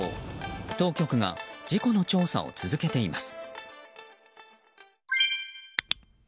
当局が事故の調査を続けています。